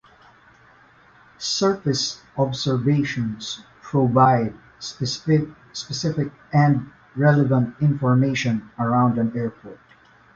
Surface observations provide specific and relevant information around an airport.